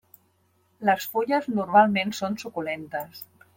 Les fulles normalment són suculentes.